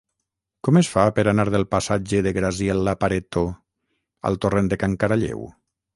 Com es fa per anar del passatge de Graziella Pareto al torrent de Can Caralleu?